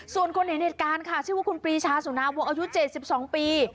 ส่วนคนเห็นเหตุการณ์ค่ะชื่อว่าคุณปรีชาสุนาวงอายุ๗๒ปี